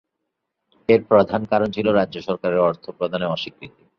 এর প্রধান কারণ ছিল রাজ্য সরকারের অর্থ প্রদানে অস্বীকৃতি।